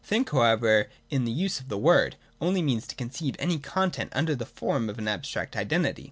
' Think,' however, in this use of the word, only means to conceive any content under the form of an abstract identity.